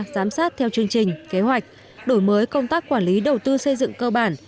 giám sát theo chương trình kế hoạch đổi mới công tác quản lý đầu tư xây dựng cơ bản